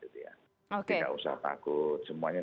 tidak usah takut semuanya